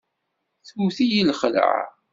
Tewt-iyi lxelεa.